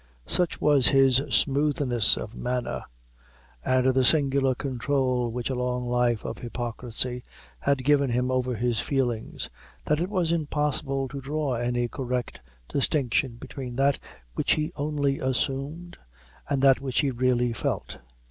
Such was his smoothness of manner, and the singular control which a long life of hypocrisy had given him over his feelings, that it was impossible to draw any correct distinction between that which he only assumed, and that which he really felt.